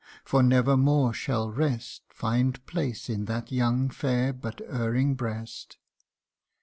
for never more shall rest Find place in that young, fair, but erring breast